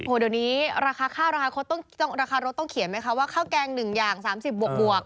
โหตอนนี้ราคารถต้องเขียนไหมคะว่าข้าวแกง๑อย่าง๓๐บวก